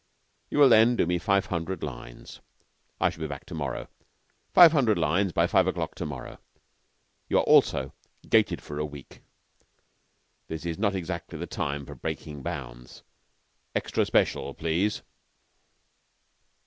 You will then do me five hundred lines. I shall be back to morrow. Five hundred lines by five o'clock to morrow. You are also gated for a week. This is not exactly the time for breaking bounds. Extra special, please."